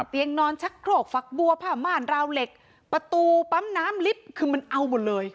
นอนชักโครกฝักบัวผ้าม่านราวเหล็กประตูปั๊มน้ำลิฟต์คือมันเอาหมดเลย